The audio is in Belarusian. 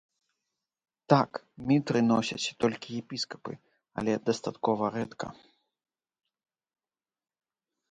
Так, мітры носяць толькі епіскапы, але дастаткова рэдка.